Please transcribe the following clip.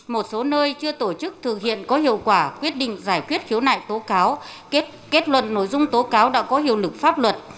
một số nơi chưa tổ chức thực hiện có hiệu quả quyết định giải quyết khiếu nại tố cáo kết luận nội dung tố cáo đã có hiệu lực pháp luật